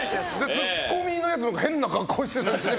ツッコミのやつも変な格好してたし。